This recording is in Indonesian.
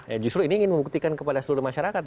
ya justru ini ingin membuktikan kepada seluruh masyarakat